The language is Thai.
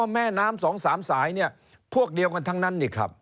แม่น้ำสองสามสายพวกเดียวกันทั้งนั้น